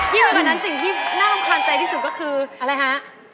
ไปกว่านั้นสิ่งที่น่ารำคาญใจที่สุดก็คืออะไรฮะ